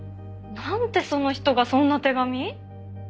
なんでその人がそんな手紙？